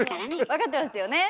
わかってますよね。